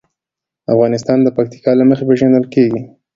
افغانستان د پکتیکا له مخې پېژندل کېږي.